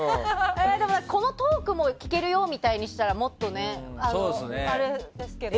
このトークも聞けるよみたいにしたらもっと、あれですけど。